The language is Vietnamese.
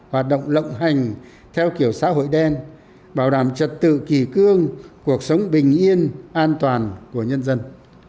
hoạt động lộng hành theo kiểu xã hội đen bảo đảm trật tự kỳ cương cuộc sống bình yên an toàn của nhân dân